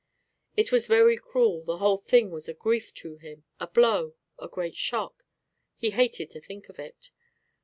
It was very cruel, the whole thing was a grief to him, a blow, a great shock; he hated to think of it.